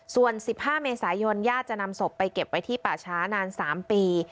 ส่วน๑๕เมษายนญาติจะนำศพไปเก็บไว้ที่ป่าช้านาน๓ปี